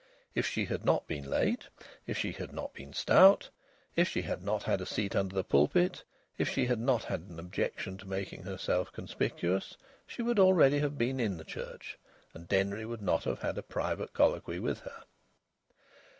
If she had not been late, if she had not been stout, if she had not had a seat under the pulpit, if she had not had an objection to making herself conspicuous, she would have been already in the church and Denry would not have had a private colloquy with her.